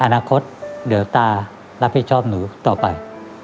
อนาคตเดี๋ยวตารับผิดชอบหนูต่อไป